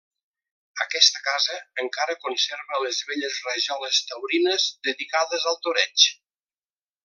Aquesta casa encara conserva les belles rajoles taurines dedicades al toreig.